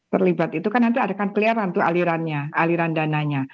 terlibat itu kan nanti akan kelihatan tuh alirannya aliran dananya